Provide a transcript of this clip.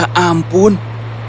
ya ampun tubuhnya